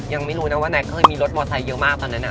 ยังไม่รู้นะว่าแก๊กเคยมีรถมอไซค์เยอะมากตอนนั้น